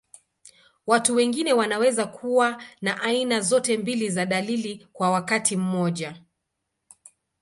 Watu wengine wanaweza kuwa na aina zote mbili za dalili kwa wakati mmoja.